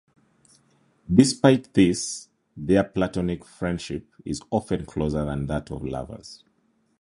Despite this, their platonic friendship is often closer than that of lovers.